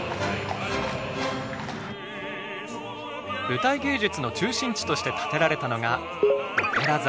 舞台芸術の中心地として建てられたのがオペラ座。